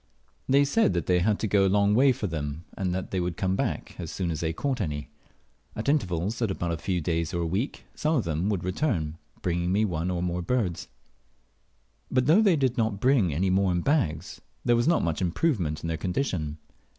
They said they had to go a long way for them, and that they would come back as soon as they caught any. At intervals of a few days or a week, some of them would return, bringing me one or more birds; but though they did not bring any more in bags, there was not much improvement in their condition.